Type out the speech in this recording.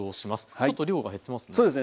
ちょっと量が減ってますね。